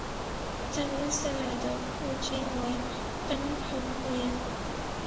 张謇的父亲为张彭年。